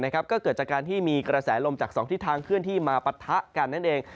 ก็เกิดจากการที่มีกระแสลมจาก๒ทิศทางเคลื่อนที่มาปะทะกันนั่นเอง